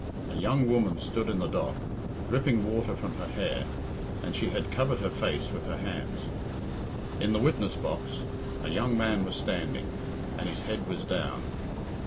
A young woman stood in the dock, dripping water from her hair, and she had covered her face with her hands. In the witness box a young man was standing, and his head was down.